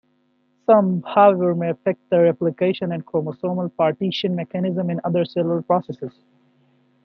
Some, however, may affect the replication or chromosomal partition mechanism, and other cellular processes.